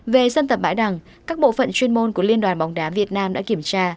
về dân tập bãi đằng các bộ phận chuyên môn của liên đoàn bóng đá việt nam đã kiểm tra